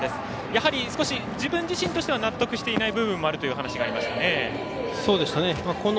やはり少し自分自身としては納得していない部分があるという話がありましたね。